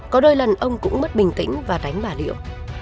có đôi lần ông cũng mất bình tĩnh và đánh bà liễu